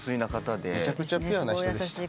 めちゃくちゃピュアな人でした。